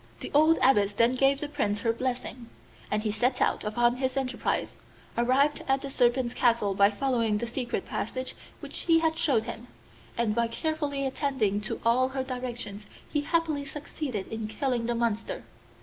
The old Abbess then gave the Prince her blessing, and he set out upon his enterprise, arrived at the Serpent's castle by following the secret passage which she had shown him, and by carefully attending to all her directions he happily succeeded in killing the monster.